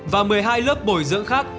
và một mươi hai lớp bồi dưỡng khác